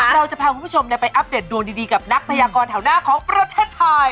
เราจะพาคุณผู้ชมไปอัปเดตดวงดีกับนักพยากรแถวหน้าของประเทศไทย